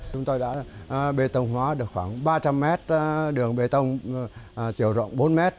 chúng tôi đã bê tông hóa được khoảng ba trăm linh mét đường bê tông chiều rộng bốn m